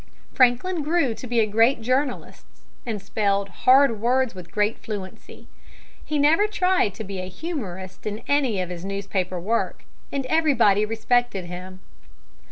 Franklin grew to be a great journalist, and spelled hard words with great fluency. He never tried to be a humorist in any of his newspaper work, and everybody respected him.